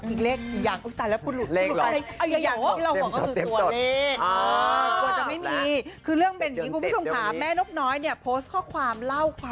อีกเลข